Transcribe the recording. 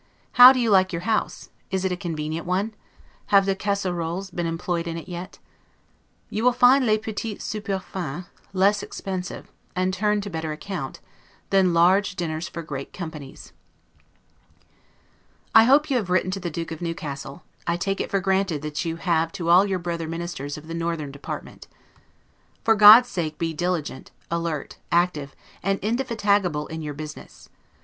How do you like your house? Is it a convenient one? Have the 'Casserolles' been employed in it yet? You will find 'les petits soupers fins' less expensive, and turn to better account, than large dinners for great companies. I hope you have written to the Duke of Newcastle; I take it for granted that you have to all your brother ministers of the northern department. For God's sake be diligent, alert, active, and indefatigable in your business.